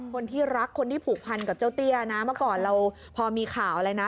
คนที่รักผ่านกับเจ้าเตี้ยมาก่อนเราพอมีข่าวอะไรนะ